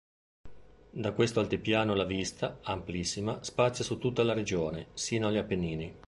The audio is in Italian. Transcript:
Da questo altipiano la vista, amplissima, spazia su tutta la regione, sino agli Appennini.